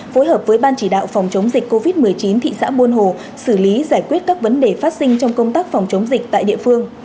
phối hợp với ban chỉ đạo phòng chống dịch covid một mươi chín thị xã buôn hồ xử lý giải quyết các vấn đề phát sinh trong công tác phòng chống dịch tại địa phương